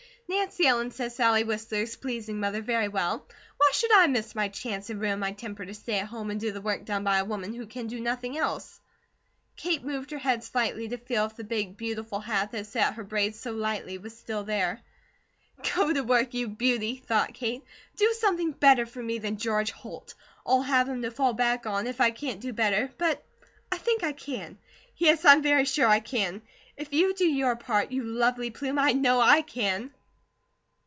Nancy Ellen says Sally Whistler is pleasing Mother very well, why should I miss my chance and ruin my temper to stay at home and do the work done by a woman who can do nothing else?" Kate moved her head slightly to feel if the big, beautiful hat that sat her braids so lightly was still there. "Go to work, you beauty," thought Kate. "Do something better for me than George Holt. I'll have him to fall back on if I can't do better; but I think I can. Yes, I'm very sure I can! If you do your part, you lovely plume, I KNOW I can!"